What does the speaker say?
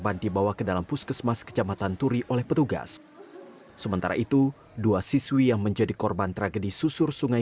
untuk pertanian selamat mereka kalau yang dimasakkan itu menjadi bagian dari tanggung jawab dari tanggung jawab sleman